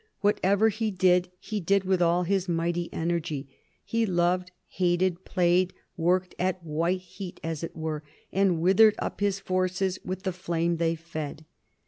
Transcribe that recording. Whatever he did he did with all his mighty energy. He loved, hated, worked, played, at white heat as it were, and withered up his forces with the flame they fed.